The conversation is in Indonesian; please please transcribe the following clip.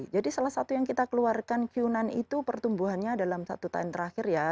jadi salah satu yang kita keluarkan qnan itu pertumbuhannya dalam satu tahun terakhir ya